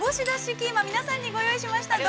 キーマ皆さんにご用意しました。